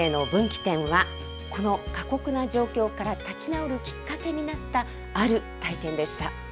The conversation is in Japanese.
人生の分岐点は、この過酷な状況から立ち直るきっかけになった、ある体験でした。